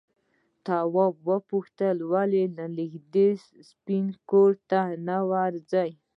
تواب وپوښتل ولې نږدې سپین کور ته نه ځو؟